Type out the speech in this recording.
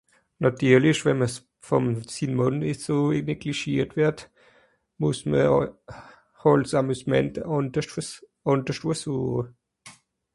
Nàtirlich, wenn m’r vùn sim Mànn eso neglischiert wùrd, ze muess m’r hàlt ’s Amusement àndersch wo sueche.